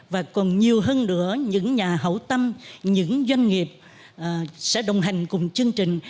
và còn nhiều hơn nữa những nhà hậu tâm những doanh nghiệp sẽ đồng hành cùng chương trình